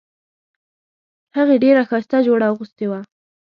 هغې ډیره ښایسته جوړه اغوستې وه